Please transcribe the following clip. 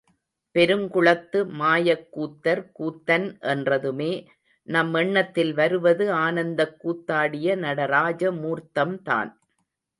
பெருங்குளத்து மாயக் கூத்தர் கூத்தன் என்றதுமே நம் எண்ணத்தில் வருவது ஆனந்தக் கூத்தாடிய நடராஜ மூர்த்தம்தான்.